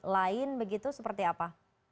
lain begitu seperti apa